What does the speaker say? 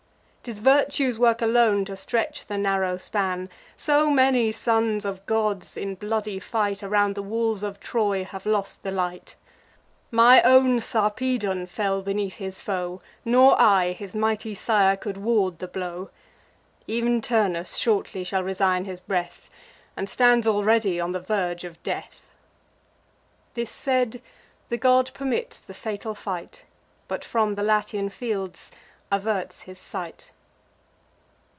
'Tis virtue's work alone to stretch the narrow span. So many sons of gods, in bloody fight, Around the walls of Troy, have lost the light: My own Sarpedon fell beneath his foe; Nor I, his mighty sire, could ward the blow. Ev'n Turnus shortly shall resign his breath, And stands already on the verge of death." This said, the god permits the fatal fight, But from the Latian fields averts his sight.